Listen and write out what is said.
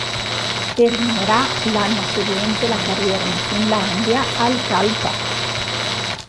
Terminerà l'anno seguente la carriera in Finlandia, al KalPa.